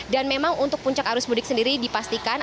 dan memang untuk puncak arus mudik sendiri dipastikan